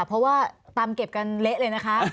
เพราะว่าตามเก็บกันเละเลยนะคะ